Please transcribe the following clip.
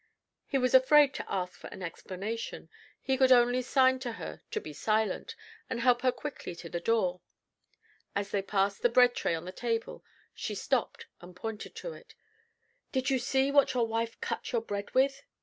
He was afraid to ask for an explanation; he could only sign to her to be silent, and help her quickly to the door. As they passed the breadtray on the table she stopped and pointed to it. "Did you see what your wife cut your bread with?"